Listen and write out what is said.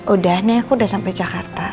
udah nih aku udah sampai jakarta